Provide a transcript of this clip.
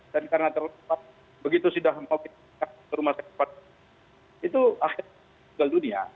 dan karena terlambat begitu sudah mau ke rumah sakit itu akhirnya tinggal dunia